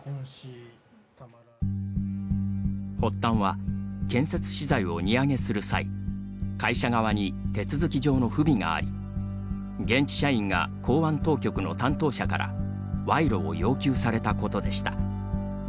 発端は、建設資材を荷揚げする際会社側に手続き上の不備があり現地社員が港湾当局の担当者から賄賂を要求されたことでした。